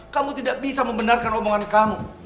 kamu tidak bisa membenarkan omongan kamu